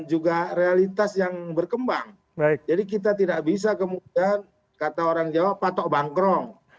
juga realitas yang berkembang baik jadi kita tidak bisa kemudian kata orang jawa patok bangkrong